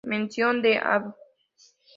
Mención de Av.